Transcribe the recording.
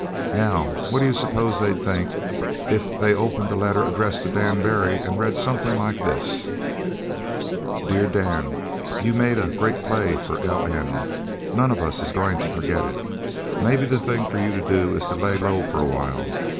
Now what d'you suppose they'd think if they opened a letter addressed to Dan Barry and read something like this: "'Dear Dan: You made great play for L.H. None of us is going to forget it. Maybe the thing for you to do is to lay low for a while.